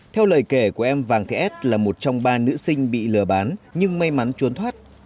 theo lời kể của em vàng thị s là một trong ba nữ sinh bị lừa bán nhưng may mắn trốn thoát